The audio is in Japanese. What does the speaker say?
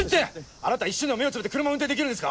あなた一瞬でも目をつぶって車運転できるんですか？